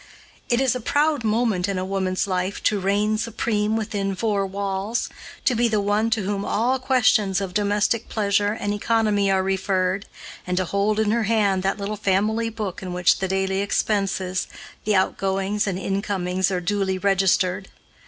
It is a proud moment in a woman's life to reign supreme within four walls, to be the one to whom all questions of domestic pleasure and economy are referred, and to hold in her hand that little family book in which the daily expenses, the outgoings and incomings, are duly registered.